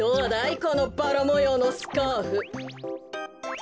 このバラもようのスカーフ。